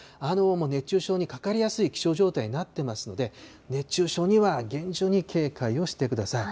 熱中症にかかりやすい気象状態になってますので、熱中症には厳重に警戒をしてください。